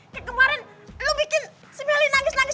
kayak kemarin lu bikin si meli nangis nangis